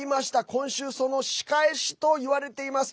今週、その仕返しといわれています。